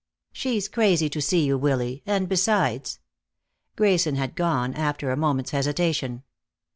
"She's crazy to see you, Willy. And besides " Grayson had gone, after a moment's hesitation.